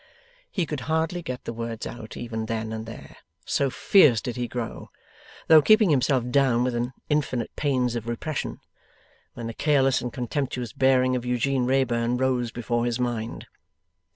He could hardly get the words out, even then and there, so fierce did he grow (though keeping himself down with infinite pains of repression), when the careless and contemptuous bearing of Eugene Wrayburn rose before his mind.